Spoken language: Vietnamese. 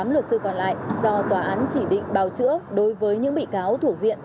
một mươi tám luật sư còn lại do tòa án chỉ định bào chữa đối với những bị cáo thuộc diện